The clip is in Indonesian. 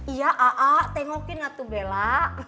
iya tengokin atu bella